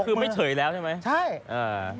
คือไม่เฉยแล้วใช่ไหม